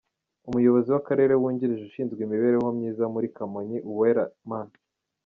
Umuyobozi w’Akarere wungirije ushinzwe imibereho myiza muri Kamonyi, Uwera M.